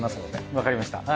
わかりました。